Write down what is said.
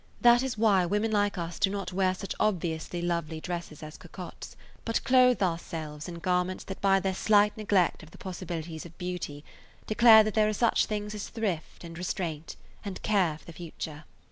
That is why women like us do not wear such obviously lovely dresses as cocottes, but clothe our [Page 142] selves in garments that by their slight neglect of the possibilities of beauty declare that there are such things as thrift and restraint and care for the future.